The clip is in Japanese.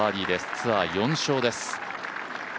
ツアー４勝です。